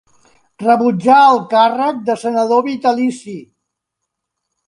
Rebutjà el càrrec de senador vitalici.